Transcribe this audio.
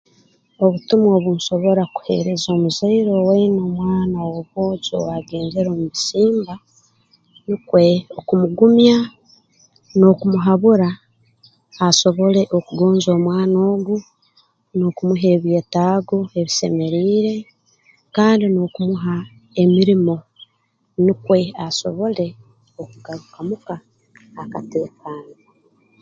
Obutumwa obu nsobora kuheereza omuzaire owaine omwana w'obwojo owaagenzere omu bisimba nukwe okumugumya n'okumuhabura asobole okugonza omwana ogu n'okumuha ebyetaago ebisemeriire kandi n'okumuha emirimo nukwe asobole okugaruka muka akateekaana